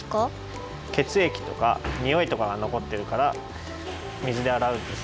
けつえきとかにおいとかがのこってるから水であらうんです。